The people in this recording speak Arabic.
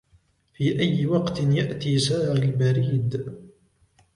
في أي وقت يأتي ساعي البريد ؟